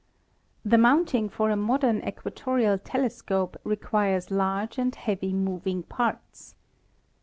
The mounting for a modern equatorial telescope requires large and heavy moving parts.